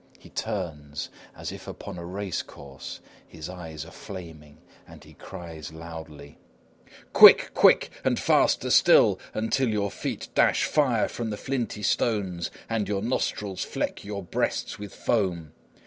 He turns, as if upon a racecourse; his eyes are flaming and he cries loudly:_] NERO. Quick! Quick! And faster still, until your feet dash fire from the flinty stones and your nostrils fleck your breasts with foam.